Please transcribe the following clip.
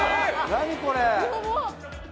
何これ？